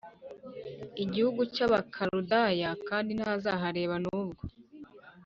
igihugu cy Abakaludaya kandi ntazahareba nubwo